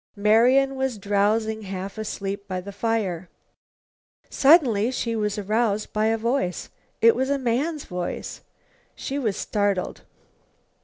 Marian was drowsing half asleep by the fire. Suddenly, she was aroused by a voice. It was a man's voice. She was startled.